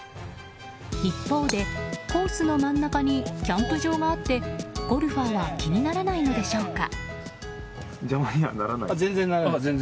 一方で、コースの真ん中にキャンプ場があってゴルファーは気にならないのでしょうか。